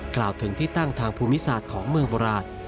กล่าวถึงที่ตั้งทางภูมิศาสตร์ของเมืองโบราณ